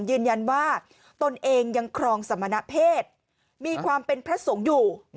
ยืนยันว่าตนเองยังครองสมณเพศมีความเป็นพระสงฆ์อยู่